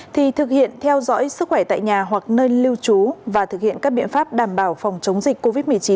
thì thực hiện theo dõi sức khỏe tại nhà hoặc nơi lưu trú và thực hiện các biện pháp đảm bảo phòng chống dịch covid một mươi chín